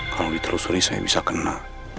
kalau diterusuri saya bisa kena